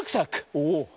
おお！